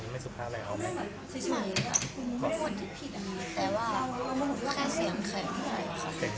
ไม่มีคนที่ผิดอันนี้แต่ว่าแค่เสียงแข็งใหม่